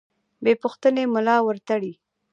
بې پوښتنې ملا ورتړي.